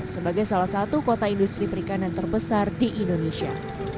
sebagai salah satu kota industri perikanan terbesar di indonesia